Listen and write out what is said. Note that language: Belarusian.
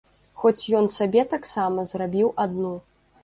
Хоць ён сабе таксама зрабіў адну.